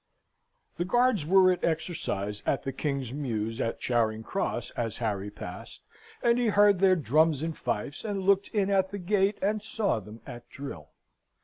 The Guards were at exercise at the King's Mews at Charing Cross, as Harry passed, and he heard their drums and fifes, and looked in at the gate, and saw them at drill.